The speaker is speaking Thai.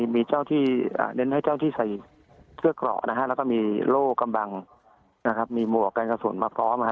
มีเจ้าที่เน้นให้เจ้าที่ใส่เสื้อเกราะนะฮะแล้วก็มีโล่กำลังมีหมวกกันกระสุนมาพร้อม